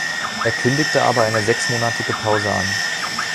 Er kündigte aber eine sechsmonatige Pause an.